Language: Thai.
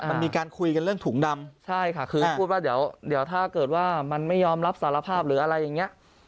มันมีการคุยกันเรื่องถุงดำใช่ค่ะคือพูดว่าเดี๋ยวถ้าเกิดว่ามันไม่ยอมรับสารภาพหรืออะไรอย่างเงี้ย